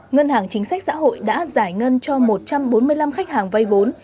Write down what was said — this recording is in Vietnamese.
ngân hàng chính sách xã hội đã giải ngân cho một trăm bốn mươi năm khách hàng vay vốn